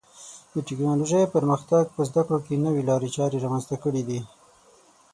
د ټکنالوژۍ پرمختګ په زده کړو کې نوې لارې چارې رامنځته کړې دي.